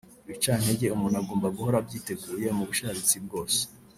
Ibicantege umuntu agomba guhora abyiteguye mu bushabitsi bwose